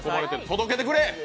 届けてくれ！